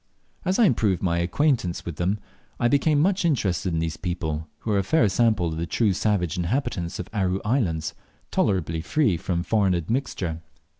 As I improved my acquaintance with them I became much interested in these people, who are a fair sample of the true savage inhabitants of the Aru Islands, tolerably free from foreign admixture.